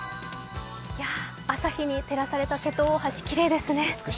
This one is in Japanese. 朝日に照らされた瀬戸大橋、きれいですね。